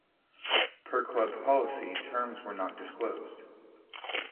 Per club policy, terms were not disclosed.